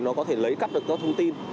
nó có thể lấy cắp được các thông tin